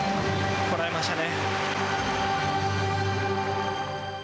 こらえましたね。